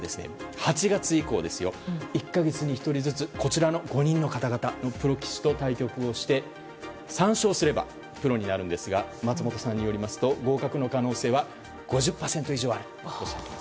８月以降、１か月に１人ずつこちらの５人の方々のプロ棋士と対局をして３勝すればプロになるんですが松本さんによりますと合格の可能性は５０％以上あると。